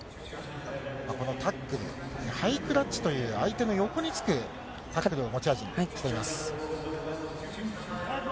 このタックルをハイクラッチという、相手の横につくのを持ち味にしています。